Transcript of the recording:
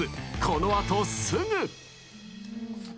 このあとすぐ。